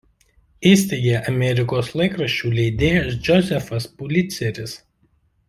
Įsteigė Amerikos laikraščių leidėjas Džozefas Puliceris.